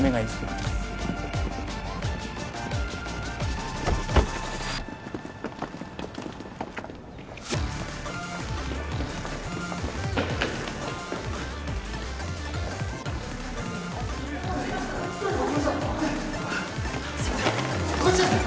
すいませんこっちです！